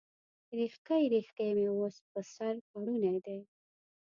ریښکۍ، ریښکۍ مې اوس، په سر پوړني دی